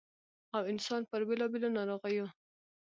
٫ او انسـان پـر بېـلابېـلو نـاروغـيو